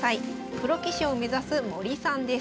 プロ棋士を目指す森さんです。